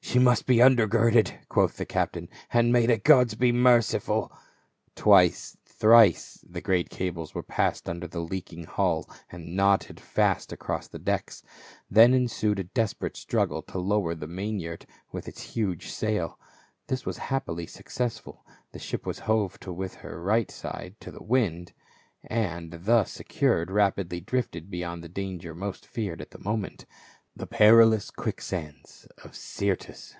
"She must be undergirded," quoth the captain — "and may the gods be merciful !" Twice, thrice, the great cables were passed under the leaking hull and knotted fast across the decks ; then ensued a desperate struggle to lower the main yard with its huge sail ; this was happily successful, the ship was hove to with her right side to the wind, and ON THE WA Y TO ROME. 431 thus secured, rapidly drifted beyond the danger most feared at the moment, the perilous quicksands of Syrtis.